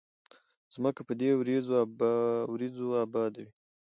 ځمکه په دې وريځو اباده ده